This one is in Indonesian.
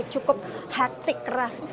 cukup hektik keras